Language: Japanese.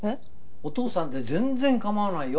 「お父さん」で全然構わないよ。